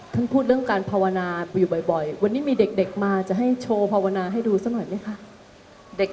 พูดเรื่องการภาวนาอยู่บ่อยวันนี้มีเด็กมาจะให้โชว์ภาวนาให้ดูสักหน่อยไหมคะ